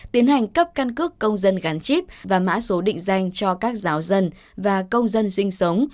tiến hành cấp căn cước công dân gắn chip và mã số định danh cho các giáo dân và công dân sinh sống